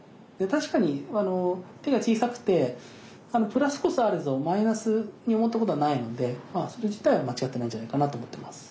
確かに手が小さくてプラスこそあれマイナスに思ったことはないのでそれ自体は間違ってないんじゃないかなと思ってます。